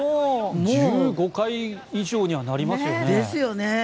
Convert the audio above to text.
１５階以上にはなりますよね。